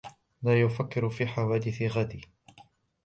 وَلَا يُفَكِّرُ فِي حَوَادِثِ غَدِيَ